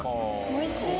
おいしい。